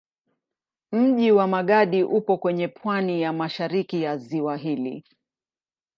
Mji wa Magadi upo kwenye pwani ya mashariki ya ziwa hili.